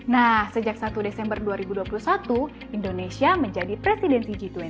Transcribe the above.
nah sejak satu desember dua ribu dua puluh satu indonesia menjadi presidensi g dua puluh